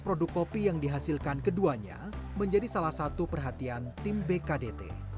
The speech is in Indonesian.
produk kopi yang dihasilkan keduanya menjadi salah satu perhatian tim bkdt